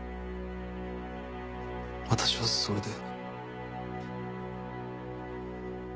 私はそれで。